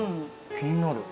気になる。